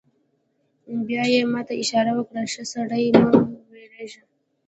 بیا یې ما ته اشاره وکړه: ښه سړی، مه وېرېږه.